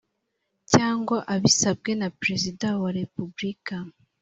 cyangwa abisabwe na Perezida wa Repubulika